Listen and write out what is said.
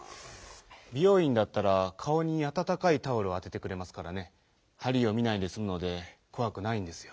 「びよういん」だったらかおにあたたかいタオルをあててくれますからねはりを見ないですむのでこわくないんですよ。